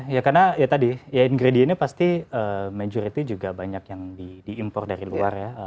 ya karena ya tadi ya ingredientnya pasti majority juga banyak yang diimpor dari luar ya